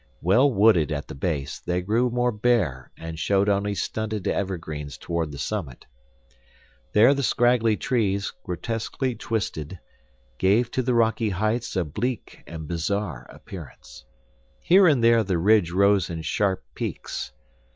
Well wooded at the base, they grew more bare and showed only stunted evergreens toward the summit. There the scraggly trees, grotesquely twisted, gave to the rocky heights a bleak and bizarre appearance. Here and there the ridge rose in sharp peaks.